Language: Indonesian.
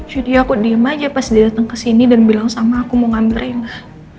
jadi aku diem aja pas dia dateng kesini dan bilang sama aku mau ngambil reina